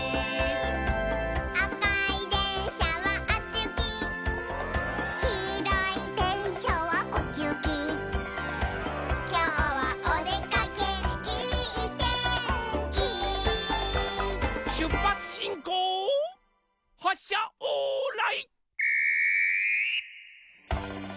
「あかいでんしゃはあっちゆき」「きいろいでんしゃはこっちゆき」「きょうはおでかけいいてんき」しゅっぱつしんこうはっしゃオーライ。